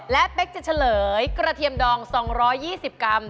และเป๊กจะเฉลยกระเทียมดอง๒๒๐กรัม